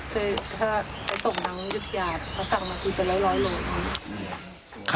ถ้าตกหนังยุธยาติเขาสั่งมากูเป็น๑๐๐โลก